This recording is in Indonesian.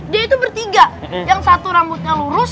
dia itu bertiga yang satu rambutnya lurus